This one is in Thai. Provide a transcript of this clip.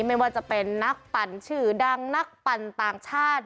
ไม่ว่าจะเป็นนักปั่นชื่อดังนักปั่นต่างชาติ